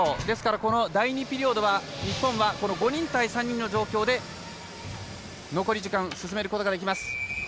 ですから、第２ピリオドはこの５人対３人の状況で残り時間を進めることができます。